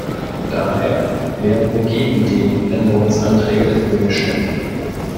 Daher werden wir gegen die Änderungsanträge der Grünen stimmen.